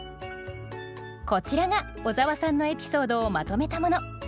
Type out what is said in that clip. こちらが小沢さんのエピソードをまとめたもの。